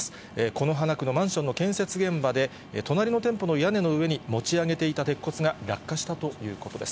此花区のマンションの建設現場で、隣の店舗の屋根の上に持ち上げていた鉄骨が落下したということです。